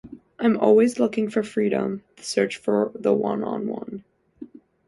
I'm always looking for freedom, the search for the one-on-one.